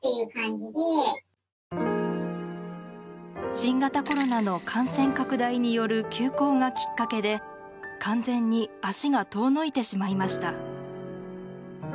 新型コロナの感染拡大による休校がきっかけで完全に足が遠のいてしまいました。